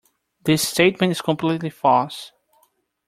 This statement is completely false.